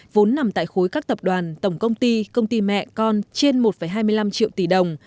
vốn nằm tại khối các tập đoàn tổng công ty công ty mẹ con trên một hai mươi năm triệu tỷ đồng